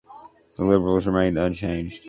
The Liberals remained unchanged.